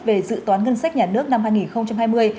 về dự toán ngân sách nhà nước năm hai nghìn hai mươi